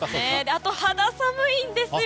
あと肌寒いんですよ